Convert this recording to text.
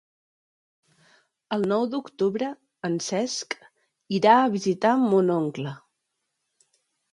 El nou d'octubre en Cesc irà a visitar mon oncle.